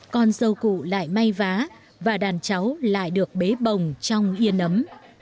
con dâu cụ lại may vá và đàn cháu lại được bế bồng trong yên ấm